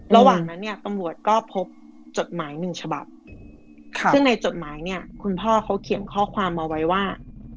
ระหว่างนั้นเนี่ยตำรวจก็พบจดหมายหนึ่งฉบับซึ่งในจดหมายเนี่ยคุณพ่อเขาเขียนข้อความมาไว้ว่า